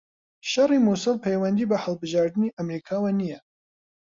شەڕی موسڵ پەیوەندی بە هەڵبژاردنی ئەمریکاوە نییە